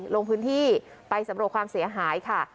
ลงพื้นที่ไปสำรวจความเสียหายค่ะ